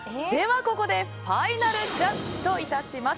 では、ファイナルジャッジといたします。